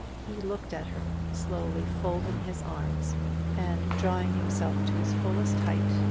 He looked at her, slowly folding his arms, and drawing himself to his fullest height.